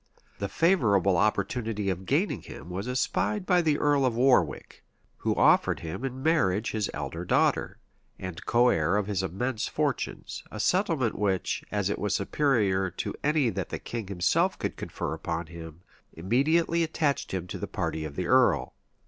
[] The favorable opportunity of gaining him was espied by the earl of Warwick, who offered him in marriage his elder daughter, and coheir of his immense fortunes; a settlement which, as it was superior to any that the king himself could confer upon him, immediately attached him to the party of the earl.